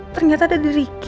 ternyata ada di ricky